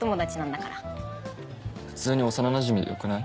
普通に幼なじみでよくない？